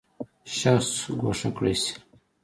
شخص ګوښه کړی شي.